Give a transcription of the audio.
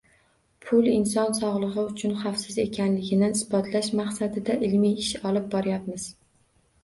Pul - inson sog'lig'i uchun xavfsiz ekanligini isbotlash maqsadida ilmiy ish olib boryapmiz.